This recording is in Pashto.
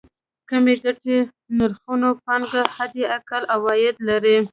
کمې ګټې نرخونو پانګه حداقل عواید لري.